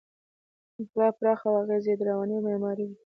انقلاب پراخ و او اغېز یې رواني او معماري و.